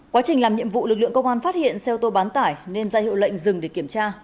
quá trình làm nhiệm vụ lực lượng công an phát hiện xe ô tô bán tải nên ra hiệu lệnh dừng để kiểm tra